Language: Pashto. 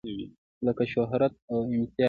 لکه شهرت او امتياز.